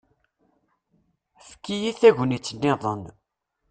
Efk-iyi tagnit-iḍen.